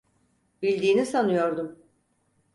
Bildiğini sanıyordum.